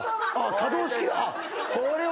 可動式だ。